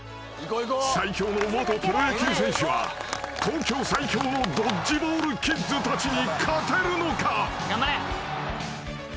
［最強の元プロ野球選手は東京最強のドッジボールキッズたちに勝てるのか？］